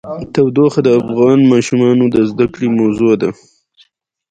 تودوخه د افغان ماشومانو د زده کړې موضوع ده.